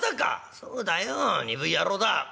「そうだよ鈍い野郎だ」。